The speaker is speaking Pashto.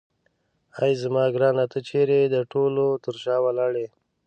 اې زما ګرانه ته چیرې د ټولو تر شا ولاړ یې.